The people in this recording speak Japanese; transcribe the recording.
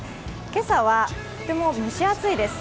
今朝はとても蒸し暑いです。